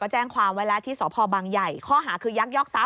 แจ้งความไว้แล้วที่สพบังใหญ่ข้อหาคือยักยอกทรัพ